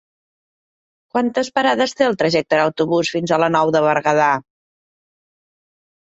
Quantes parades té el trajecte en autobús fins a la Nou de Berguedà?